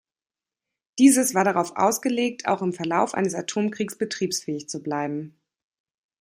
Dieses war darauf ausgelegt, auch im Verlauf eines Atomkriegs betriebsfähig zu bleiben.